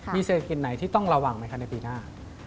มีเศรษฐกิจไหนที่ต้องระวังไหมคะในปีหน้า